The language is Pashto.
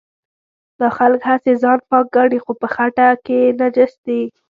دا خلک هسې ځان پاک ګڼي خو په خټه کې نجس دي.